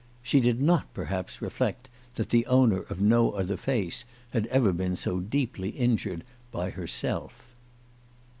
She did not, perhaps, reflect that the owner of no other face had ever been so deeply injured by herself.